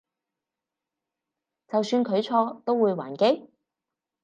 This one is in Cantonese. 就算佢錯都會還擊？